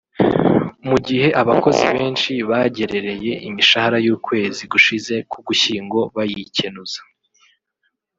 Mu gihe abakozi benshi bagerereye imishahara y’ukwezi gushize k’Ugushyingo bayikenuza